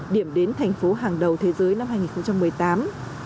điểm đến thành phố hàng đầu thế giới năm hai nghìn một mươi tám